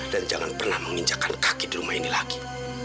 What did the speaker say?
dan jangan pernah menginjakan kaki di rumah ini lagi